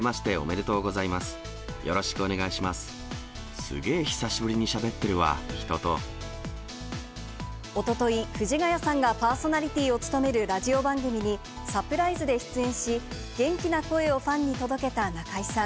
おととい、藤ヶ谷さんがパーソナリティーを務めるラジオ番組に、サプライズで出演し、元気な声をファンに届けた中居さん。